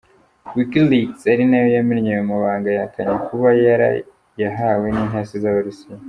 Wikileaks ari nayo yamennye ayo mabanga, yahakanye kuba yarayahawe n’intasi z’Abarusiya.